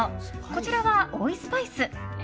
こちらは追いスパイス。